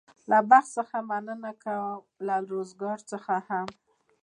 له بخت څخه مننه کوم او له روزګار څخه هم.